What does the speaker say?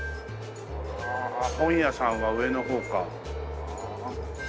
ああ本屋さんは上の方か。